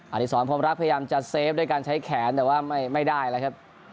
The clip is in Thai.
อดีศรพรมรักพยายามจะเซฟด้วยการใช้แขนแต่ว่าไม่ได้แล้วครับ